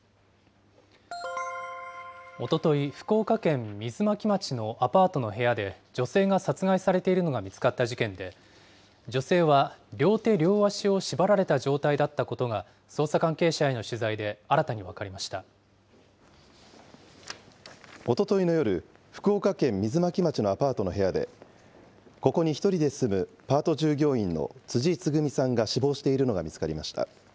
おととい、福岡県水巻町のアパートの部屋で女性が殺害されているのが見つかった事件で、女性は両手両足を縛られた状態だったことが捜査関係者への取材でおとといの夜、福岡県水巻町のアパートの部屋で、ここに１人で住む、パート従業員の辻つぐみさんが死亡しているのが見つかりました。